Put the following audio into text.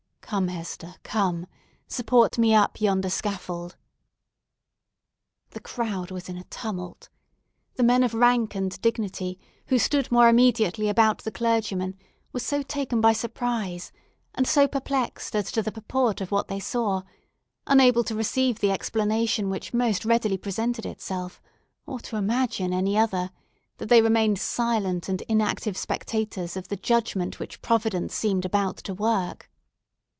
Come, Hester—come! Support me up yonder scaffold." The crowd was in a tumult. The men of rank and dignity, who stood more immediately around the clergyman, were so taken by surprise, and so perplexed as to the purport of what they saw—unable to receive the explanation which most readily presented itself, or to imagine any other—that they remained silent and inactive spectators of the judgement which Providence seemed about to work.